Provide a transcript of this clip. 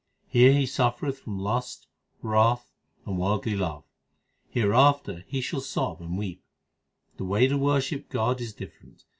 Here he suffereth from lust, wrath, and worldly love ; hereafter he shall sob and weep. The way to worship God is different.